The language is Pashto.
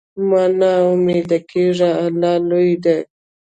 مه نا امیده کېږه، الله لوی دی.